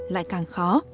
lại càng khó